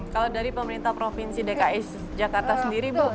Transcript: kalau dari pemerintah provinsi dki jakarta sendiri bu